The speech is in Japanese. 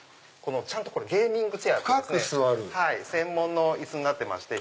これゲーミングチェアという専門の椅子になってまして。